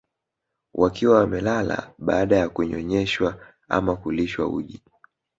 Wakiwa wamelala baada ya kunyonyeshwa ama kulishwa uji